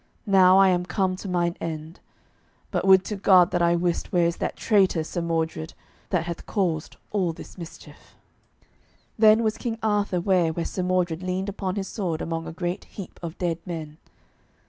Now I am come to mine end. But would to God that I wist where is that traitor Sir Mordred, that hath caused all this mischief." Then was King Arthur ware where Sir Mordred leaned upon his sword among a great heap of dead men.